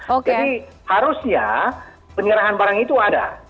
jadi harusnya penyerahan barang itu ada